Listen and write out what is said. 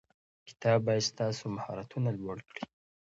کتاب باید ستاسو مهارتونه لوړ کړي.